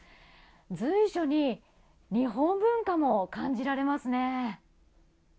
随所に日本文化も感じられますね。